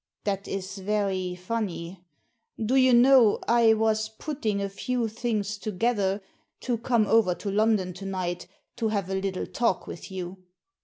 " That is very funny. Do you know, I was putting a few things together to come over to London to night to have a little talk with you."